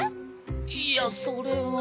いやそれは。